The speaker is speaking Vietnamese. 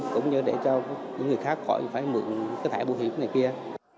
cũng như để cho những người khác khỏi phải mượn cái thẻ bảo hiểm này kia